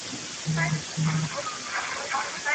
دښمن مړ که، مړانه ئې مه ورکوه.